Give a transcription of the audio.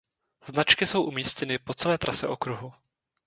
Značky jsou umístěny po celé trase okruhu.